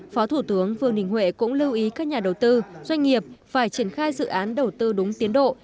phó thủ tướng vương đình huệ cũng lưu ý các nhà đầu tư doanh nghiệp phải triển khai dự án đầu tư đúng tiến độ